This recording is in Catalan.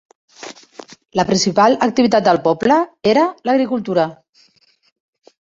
La principal activitat del poble era l'agricultura.